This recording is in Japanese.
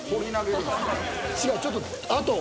違うちょっとあと。